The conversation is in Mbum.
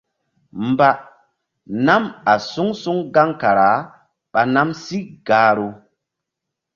Mba nam a suŋ suŋ gaŋ kara ɓa nam sí gahru.